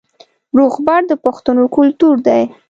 روغبړ د پښتنو کلتور دی